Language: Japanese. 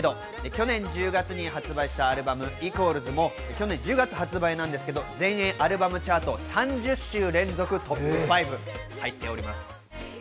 去年１０月に発売したアルバム『＝』も去年１０月発売ですが、全英アルバムチャート３０週連続トップ５に入っています。